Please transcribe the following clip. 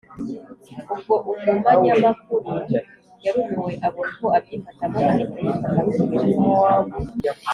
ubwo umumanyamakuru yarumiwe abura uko abyifatamo ahita yifata ku munwa